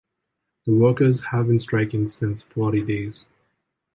The workers have been striking since forty days.